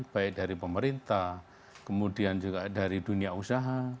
baik dari pemerintah kemudian juga dari dunia usaha